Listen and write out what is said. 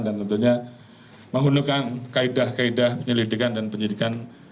dan tentunya menghundukkan kaedah kaedah penyelidikan dan penyelidikan